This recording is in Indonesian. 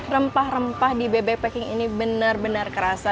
rempah rempah di bebek packing ini benar benar terasa